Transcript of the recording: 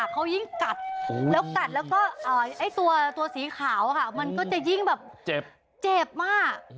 เขายิ่งกัดแล้วกัดแล้วก็ไอ้ตัวสีขาวค่ะมันก็จะยิ่งแบบเจ็บมาก